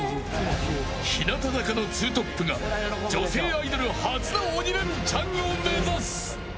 日向坂の２トップが女性アイドル初の鬼レンチャンを目指す。